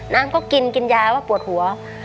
น้ำก็กินกินยาว่าปวดหัว